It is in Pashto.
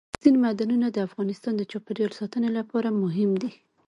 اوبزین معدنونه د افغانستان د چاپیریال ساتنې لپاره مهم دي.